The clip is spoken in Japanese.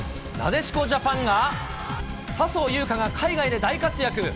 なでしこジャパンが笹生優花が海外で大活躍。